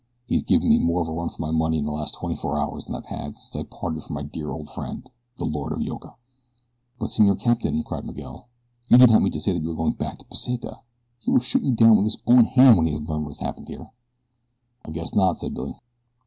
He's given me more of a run for my money in the last twenty four hours than I've had since I parted from my dear old friend, the Lord of Yoka." "But Senor Capitan," cried Miguel, "you do not mean to say that you are going back to Pesita! He will shoot you down with his own hand when he has learned what has happened here." "I guess not," said Billy.